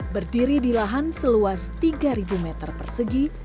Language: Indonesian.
berdiri di lahan seluas tiga meter persegi